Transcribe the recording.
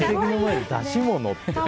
出し物って。